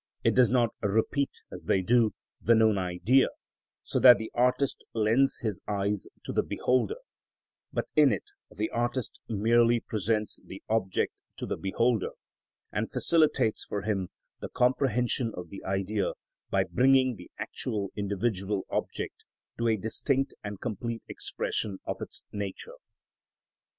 It does not repeat, as they do, the known Idea, so that the artist lends his eyes to the beholder, but in it the artist merely presents the object to the beholder, and facilitates for him the comprehension of the Idea by bringing the actual, individual object to a distinct and complete expression of its nature.